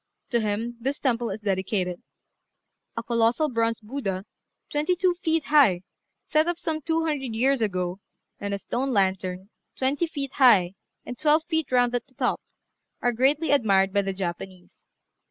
To him this temple is dedicated. A colossal bronze Buddha, twenty two feet high, set up some two hundred years ago, and a stone lantern, twenty feet high, and twelve feet round at the top, are greatly admired by the Japanese.